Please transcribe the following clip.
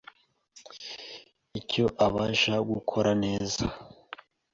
icyo abasha gukora neza